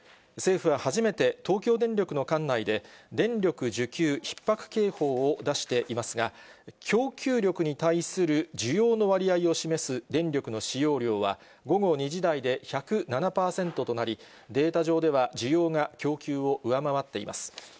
政府は初めて、東京電力の管内で電力需給ひっ迫警報を出していますが、供給力に対する需要の割合を示す電力の使用量は、午後２時台で１０７％となり、データ上では需要が供給を上回っています。